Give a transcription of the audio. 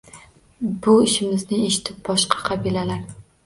Bu ishimizni eshitib boshqa qabilalar